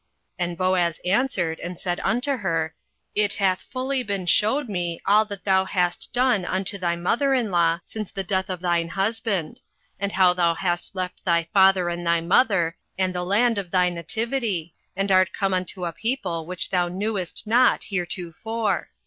08:002:011 And Boaz answered and said unto her, It hath fully been shewed me, all that thou hast done unto thy mother in law since the death of thine husband: and how thou hast left thy father and thy mother, and the land of thy nativity, and art come unto a people which thou knewest not heretofore.